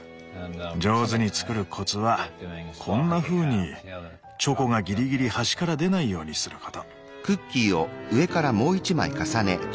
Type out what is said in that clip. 上手に作るコツはこんなふうにチョコがギリギリ端から出ないようにすること。